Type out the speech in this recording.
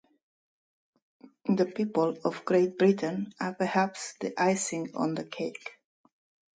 The people of Great Britain are perhaps the icing on the cake.